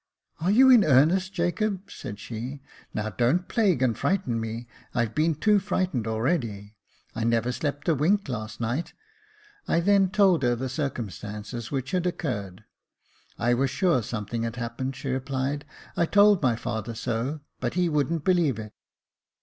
" Are you in earnest, Jacob ?" said she j " now don't plague and frighten me, I've been too frightened already. I never slept a wink last night." I then told her the circumstances which had occurred. " I was sure some thing had happened," she replied. " I told my father so, but he wouldn't believe it.